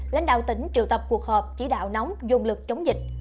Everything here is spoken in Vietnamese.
lãnh đạo tỉnh triệu tập cuộc họp chỉ đạo nóng dùng lực chống dịch